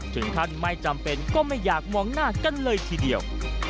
ถึงขั้นไม่จำเป็นก็ไม่อยากมองหน้ากันเลยทีเดียว